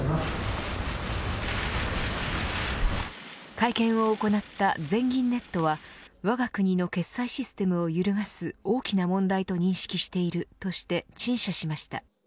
会見を行った全銀ネットはわが国の決済システムを揺るがす大きな問題と認識しているとして陳謝しました。